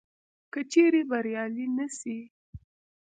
که چیري بریالي نه سي